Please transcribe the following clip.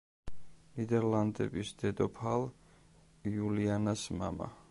ნიდერლანდების დედოფალ იულიანას მამა.